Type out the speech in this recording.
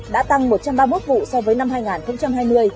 đã tăng một trăm ba mươi một vụ so với năm hai nghìn hai mươi